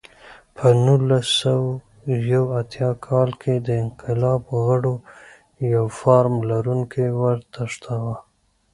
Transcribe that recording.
په نولس سوه یو اتیا کال کې د انقلاب غړو یو فارم لرونکی وتښتاوه.